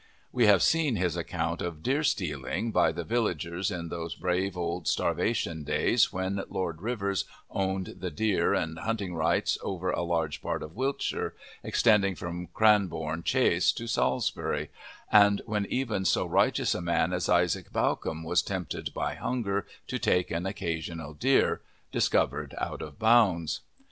We have seen his account of deer stealing, by the villagers in those brave, old, starvation days when Lord Rivers owned the deer and hunting rights over a large part of Wiltshire, extending from Cranborne Chase to Salisbury, and when even so righteous a man as Isaac Bawcombe was tempted by hunger to take an occasional deer, discovered out of bounds.